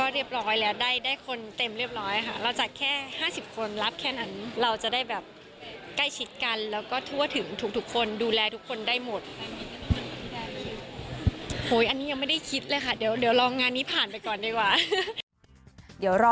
เดี๋ยวรอดูนะคะว่าในงานนี้